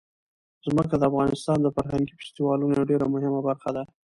ځمکه د افغانستان د فرهنګي فستیوالونو یوه ډېره مهمه برخه ده.